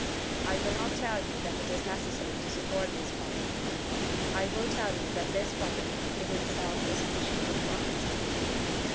I will not tell you that it is necessary to support this body;... I will tell you that this body is itself a species of property."